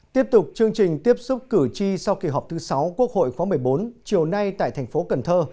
tiếp tục chương trình tiếp xúc cử tri sau kỳ họp thứ sáu quốc hội khóa một mươi bốn chiều nay tại thành phố cần thơ